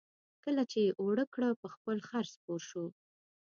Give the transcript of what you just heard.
کله چې یې اوړه کړه په خپل خر سپور شو.